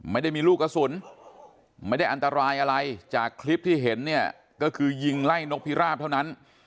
ไม่ได้มีลูกกระสุนไม่ได้อันตรายอะไรจากคลิปที่เห็นเนี่ยก็คือยิงไล่นกพิราบเท่านั้น